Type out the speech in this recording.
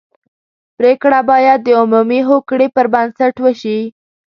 پرېکړه باید د عمومي هوکړې پر بنسټ وشي.